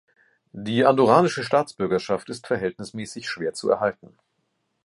Die andorranische Staatsbürgerschaft ist verhältnismäßig schwer zu erhalten.